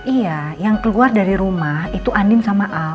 iya yang keluar dari rumah itu andin sama a